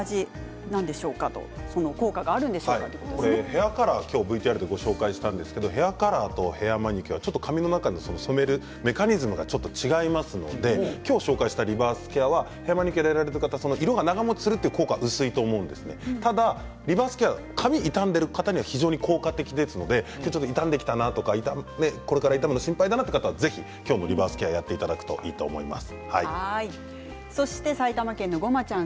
ヘアカラー今日ＶＴＲでご紹介したんですがヘアカラーとヘアマニキュア髪の中の染めるメカニズムがちょっと違いますので、今日ご紹介したリバースケアはヘアマニキュアの方色持ちする効果は薄いかもしれませんが髪が傷んでいる方には効果的ですので傷んできたなとかこれから傷むのが心配という方はリバースケアをやっていただくといいと思います。